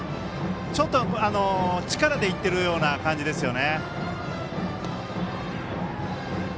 ちょっと力でいってるような感じですよね。